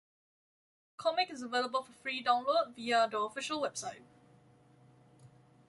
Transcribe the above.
The comic is available for free download, via the official website.